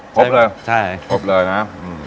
ครบเลยนะฮะ